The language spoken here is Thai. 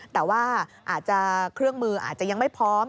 แต่ว่าอาจจะเครื่องมืออาจจะยังไม่พร้อม